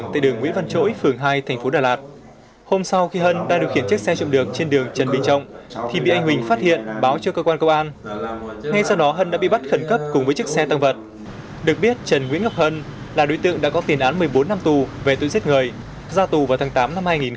từ bốn năm tù về tội giết người ra tù vào tháng tám năm hai nghìn một mươi bốn